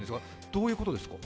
どういうことですか。